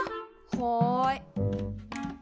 はい。